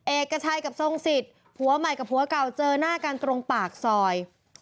เอกชัยกับทรงสิทธิ์ผัวใหม่กับผัวเก่าเจอหน้ากันตรงปากซอย